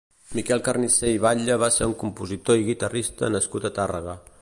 Miquel Carnicer i Batlle va ser un compositor i guitarrista nascut a Tàrrega.